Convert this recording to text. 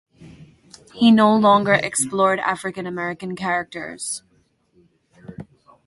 He no longer explored African-American characters.